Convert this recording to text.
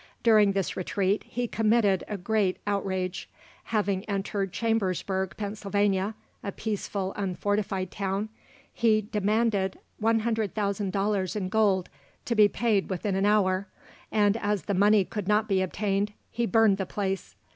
During this retreat, he committed a great outrage. Having entered Chambersburg, Pennsylvania, a peaceful, unfortified town, he demanded 100,000 dollars in gold, to be paid within an hour, and as the money could not be obtained, he burned the place.